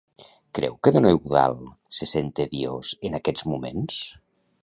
Creu que don Eudald se sent tediós en aquests moments?